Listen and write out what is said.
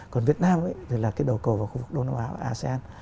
còn việt nam thì là cái đầu cầu vào khu vực đông nam á và asean